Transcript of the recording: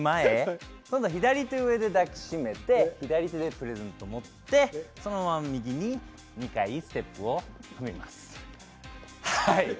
左手の上で抱き締めて左手でプレゼントを持ってそのまま右に２回ステップを踏みます。